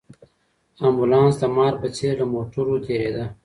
امبولانس د مار په څېر له موټرو تېرېده.